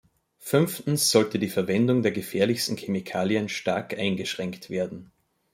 Fünftens sollte die Verwendung der gefährlichsten Chemikalien stark eingeschränkt werden.